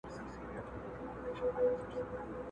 o د ابۍ پر مرگ نه يم عرزايل اموخته کېږي!